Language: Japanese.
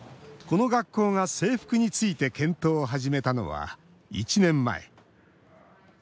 この学校が制服について検討を始めたのは１年前。